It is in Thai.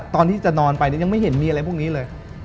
ตอนที่จะนอนไปยังไม่เห็นมีอะไรพวกนี้เลย